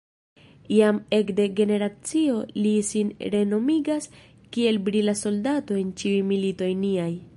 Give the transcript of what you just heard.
Jam ekde generacio li sin renomigas kiel brila soldato en ĉiuj militoj niaj.